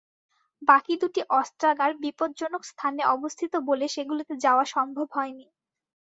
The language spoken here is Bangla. বাকি দুটি অস্ত্রাগার বিপজ্জনক স্থানে অবস্থিত বলে সেগুলোতে যাওয়া সম্ভব হয়নি।